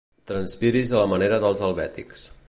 Transpiris a la manera dels helvètics.